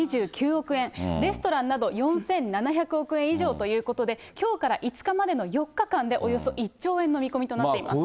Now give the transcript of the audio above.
レストランなど４７００億円以上ということで、きょうから５日までの４日間でおよそ１兆円の見込みとなっています。